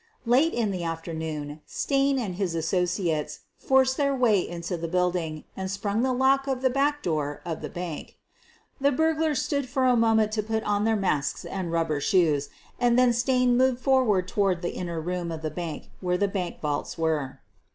Late in the afternoon Stain and his associates forced their way into the building and sprung the lock of the back door of the bank. The burglars stood for a moment to put on their masks and rub ber shoes, and then Stain moved forward toward the inner room of the bank, where the bank vaults were.